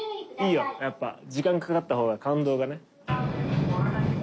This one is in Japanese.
いいよやっぱ時間かかった方が感動がね。